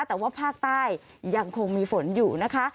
แต่ว่าภาคใต้ยังคงมีฝนอยู่นะคะ